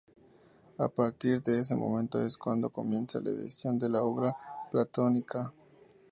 A partir de ese momento es cuando comienza la edición de la obra platónica.